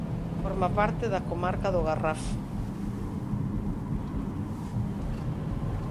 Forma parte da comarca do Garraf.